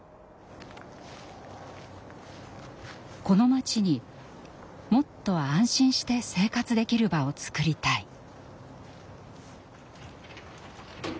この町にもっと安心して生活できる場をつくりたい。